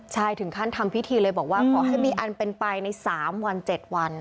ใช่ถึงขั้นทำพิธีเลยบอกว่าขอให้มีอันเป็นไปใน๓วัน๗วัน